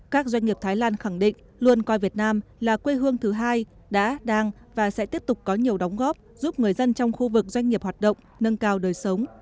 các doanh nghiệp thái lan khẳng định luôn coi việt nam là quê hương thứ hai đã đang và sẽ tiếp tục có nhiều đóng góp giúp người dân trong khu vực doanh nghiệp hoạt động nâng cao đời sống